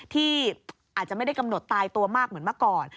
ที่อาจจะไม่ได้กำหนดตายตัวมากเหมือนเมื่อก่อน